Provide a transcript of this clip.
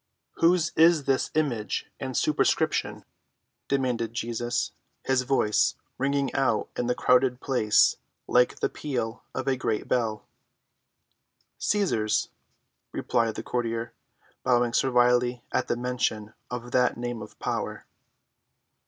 "Whose is this image and superscription?" demanded Jesus, his voice ringing out in the crowded place like the peal of a great bell. "Cæsar's," replied the courtier, bowing servilely at mention of that name of power.